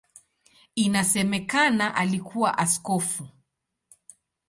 Inasemekana alikuwa askofu.